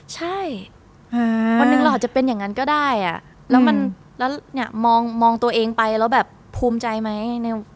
ใช่วันหนึ่งเราอาจจะเป็นอย่างนั้นก็ได้แล้วเนี่ยมองตัวเองไปแล้วแบบภูมิใจไหม